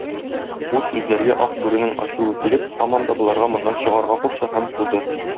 Бу сүзләргә Ак бүренең ачуы килеп, һаман да боларга моннан чыгарга кушты һәм куды.